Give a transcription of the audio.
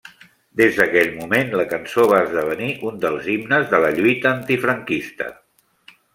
Des d'aquell moment, la cançó va esdevenir un dels himnes de la lluita antifranquista.